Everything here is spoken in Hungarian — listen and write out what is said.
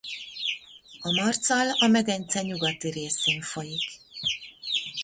A Marcal a medence nyugati részén folyik.